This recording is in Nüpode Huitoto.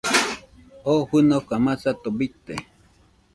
Oo fɨnoka masato bite.